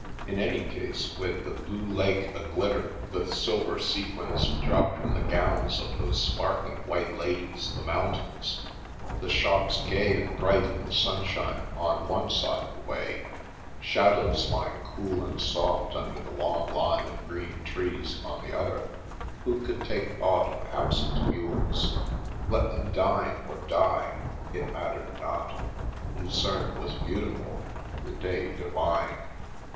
In any case, with the blue lake a glitter with silver sequins dropped from the gowns of those sparkling White Ladies, the mountains ; the shops gay and bright in the sunshine, on one side the way, shadows lying cool and soft under the long line of green trees on the other, who could take thought of absent mules ? Let them dine or die; it mattered not. Lucerne was beautiful, the day divine.